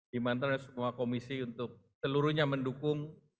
dimantar semua komisi untuk seluruhnya mendukung